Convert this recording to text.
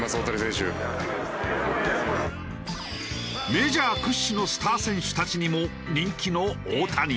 メジャー屈指のスター選手たちにも人気の大谷。